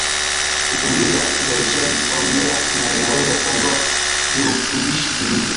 kupunguza uzalishaji wa mmea na inaweza kuondoa virutubishi vilivyo